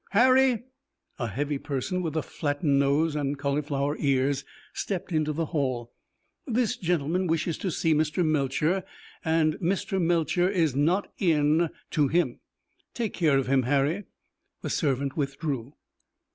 "Harry!" A heavy person with a flattened nose and cauliflower ears stepped into the hall. "This gentleman wishes to see Mr. Melcher, and Mr. Melcher is not in to him. Take care of him, Harry." The servant withdrew.